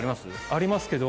ありますけど。